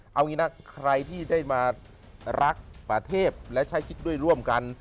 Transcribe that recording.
เอางี้นะใครที่ได้มารักป่าเทพและใช้คิดด้วยร่วมกัน